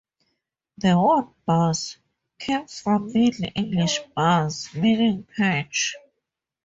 The word "bass" comes from Middle English "bars", meaning "perch".